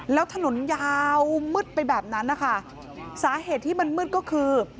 แล้วถนนยาวมืดไปแบบนั้นนะคะสาเหตุที่มันมืดก็คือ